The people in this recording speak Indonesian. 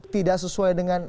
tidak sesuai dengan